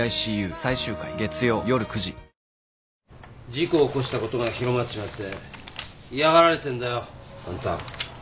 事故起こしたことが広まっちまって嫌がられてんだよあんた。